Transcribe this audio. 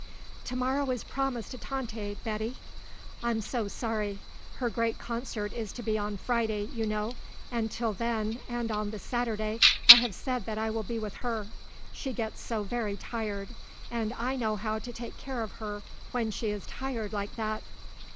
"To morrow is promised to Tante, Betty. I'm so sorry. Her great concert is to be on Friday, you know; and till then, and on the Saturday, I have said that I will be with her. She gets so very tired. And I know how to take care of her when she is tired like that."